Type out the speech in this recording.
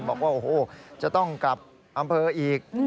บอกว่าโอ้โหจะต้องกลับอำเภออีก